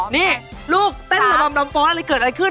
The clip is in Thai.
นี่ลูกต้นระวังตำฟ้าอะไรเกิดอะไรขึ้น